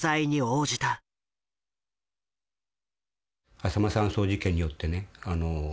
あさま山荘事件によってね